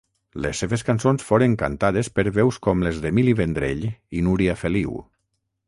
Les seves cançons foren cantades per veus com les d'Emili Vendrell i Núria Feliu.